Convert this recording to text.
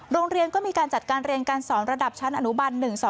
โรงเรียนก็มีการจัดการเรียนการสอนระดับชั้นอนุบัน๑๒